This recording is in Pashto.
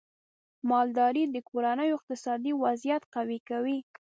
مالدارۍ د کورنیو اقتصادي وضعیت قوي کوي.